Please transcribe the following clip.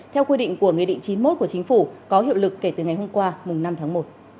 theo quy định của nghị định chín mươi một của chính phủ có hiệu lực kể từ ngày hôm qua năm tháng một